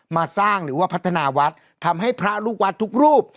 มาสร้างหรือว่าพัฒนาวัดทำให้พระลูกวัดทุกรูป